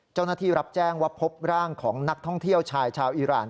เจ้าหน้าที่รับแจ้งว่าพบร่างของนักท่องเที่ยวชายชาวอีราน